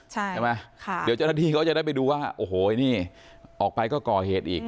เดี๋ยวเจ้าหน้าที่เขาจะได้ไปดูว่าโอ้โหออกไปก็เกาะเหตุอีก